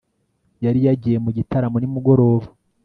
Yari yagiye mu gitaramo nimugoroba